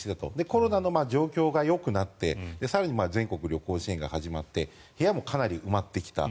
コロナの状況がよくなって更に、全国旅行支援が始まって部屋もかなり埋まってきた。